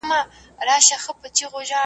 چي هامان ته خبر ورغى موسکی سو .